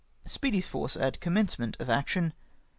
Speedy' s force at commencement of action.